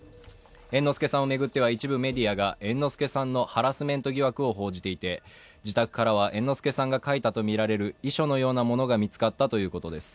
猿之助さんを巡っては一部メディアが猿之助さんのハラスメント疑惑を報じていて、自宅からは猿之助さんが書いたとみられる遺書のようなものが見つかったということです。